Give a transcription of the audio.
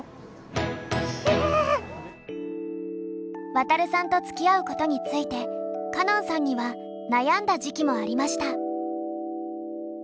ワタルさんとつきあうことについて歌音さんには悩んだ時期もありました。